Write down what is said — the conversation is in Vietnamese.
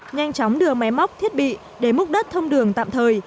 nhanh chóng đưa máy móc thiết bị để múc đất thông đường tạm thời